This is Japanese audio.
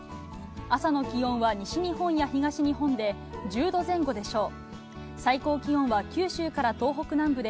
朝の気温は、西日本や東日本で１０度前後でしょう。